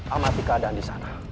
amati keadaan di sana